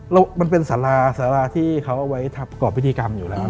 แล้วมันเป็นสาราสาราที่เขาเอาไว้ทำกรอบพิธีกรรมอยู่แล้ว